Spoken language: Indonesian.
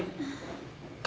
maaf wih aku gak sengaja